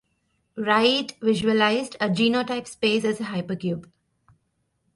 Wright visualized a genotype space as a hypercube.